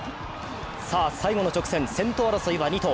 最後の直線、先頭争いは２頭。